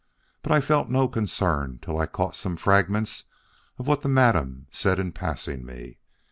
But I felt no concern till I caught some fragments of what Madame said in passing me.